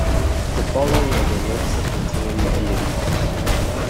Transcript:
The following is a list of fertility deities.